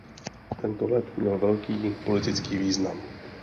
Tento let měl velký politický význam.